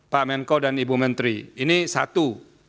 pak menko dan ibu menteri ini satu